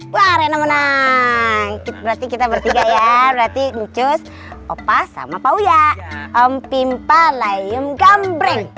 berarti kita bertiga ya berarti lucu opa sama pak uya om pimpa layu gambring